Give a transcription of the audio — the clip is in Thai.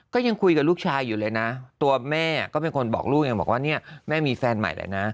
ก็ยังคุยกับลูกชายอยู่เลยนะตัวแม่ก็เป็นคนบอกลูกยังบอกว่าเนี่ยแม่มีแฟนใหม่แล้วนะ